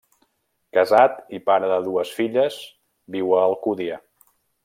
Casat i pare de dues filles, viu a Alcúdia.